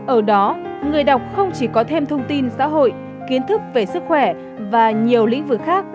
ở đó người đọc không chỉ có thêm thông tin xã hội kiến thức về sức khỏe và nhiều lĩnh vực khác